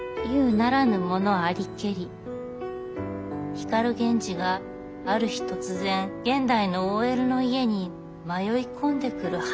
光源氏がある日突然現代のＯＬの家に迷い込んでくる話をね。